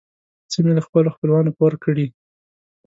څه مې له خپلو خپلوانو پور کړې.